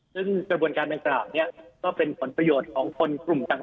ซึ่งกระบวนการดังกล่าวนี้ก็เป็นผลประโยชน์ของคนกลุ่มต่าง